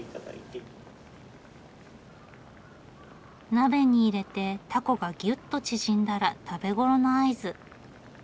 鍋に入れてタコがぎゅっと縮んだら食べ頃の合図。